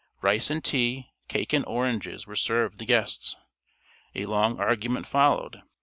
Rice and tea, cake and oranges were served the guests. A long argument followed.